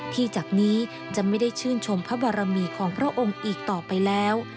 จากนี้จะไม่ได้ชื่นชมพระบารมีของพระองค์อีกต่อไปแล้ว